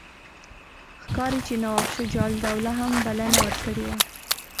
ښکاري چې نواب شجاع الدوله هم بلنه ورکړې وه.